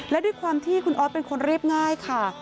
และด้วยความที่คุณออสเป็นคนเรียบง่ายค่ะ